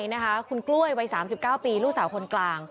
รู้สึกว่าคุณกล้วยวัย๓๙ปีลูกสาวคนกลาง